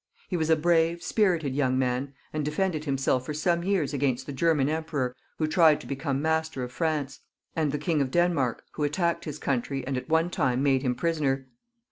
He was a brave, spirited young man, and defended himseK for some years against the German Emperor, who tried to become master of France ; and the King of Denmark, who attacked his country and at one time made him prisoner.